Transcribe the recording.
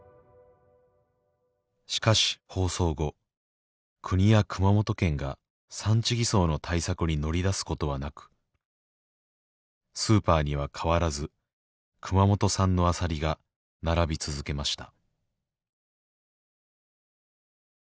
しかし放送後国や熊本県が産地偽装の対策にのり出すことはなくスーパーには変わらず熊本産のアサリが並び続けました